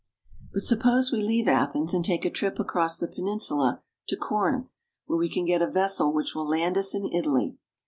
But suppose we leave Athens and take a trip across the peninsula to Corinth, where we can get a vessel which will land us in Italy.